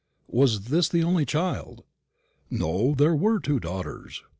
"Was this son the only child?" "No; there were two daughters.